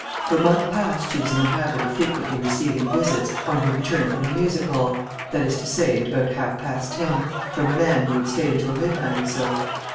For a month past she was in the habit of frequently receiving visits, on her return from the music hall, that is to say, at about half past ten, from a man who would stay until midnight or so.